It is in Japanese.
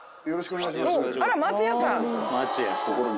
よろしくお願いします